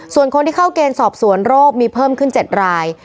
ส่วนคนที่เข้าเกณฑ์สอบสวนโรคมีเพิ่มขึ้น๗ราย